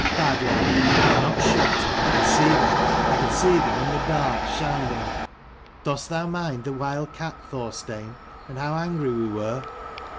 Bad lad, they are not shut. I can see them, I can see them in the dark, shining. Dost thou mind the wild cat, Thorstein, and how angry we were?